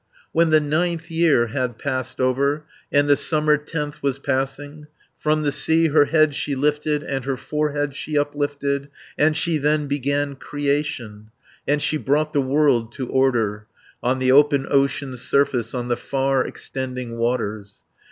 When the ninth year had passed over, And the summer tenth was passing, From the sea her head she lifted, And her forehead she uplifted, And she then began Creation, And she brought the world to order, 260 On the open ocean's surface, On the far extending waters.